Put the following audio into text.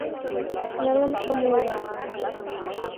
НЫЛЫМШЕ МУРО